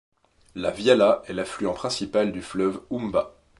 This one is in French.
La Viala est l'affluent principal du fleuve Oumba.